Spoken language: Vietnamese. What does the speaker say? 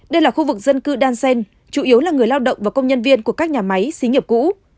đây là khu vực dân cư đan xen chủ yếu là người lao động và công nhân viên của các nhà máy xí nghiệp cũ